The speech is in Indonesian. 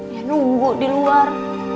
ya nunggu di luar